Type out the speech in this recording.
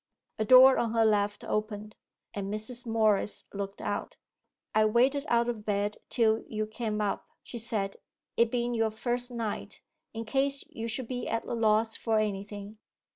A door on her left opened, and Mrs. Morris looked out. 'I waited out of bed till you came up,' she said, 'it being your first night, in case you should be at a loss for anything.